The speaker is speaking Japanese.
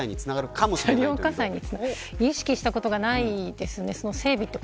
車両火災に意識したことがないですね